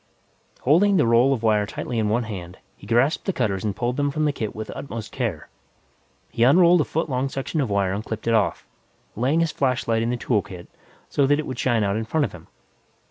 Holding the roll of wire tightly in one hand, he grasped the cutters and pulled them from the kit with utmost care. He unrolled a foot long section of wire and clipped it off, laying his flashlight in the tool kit so that it would shine out in front of him.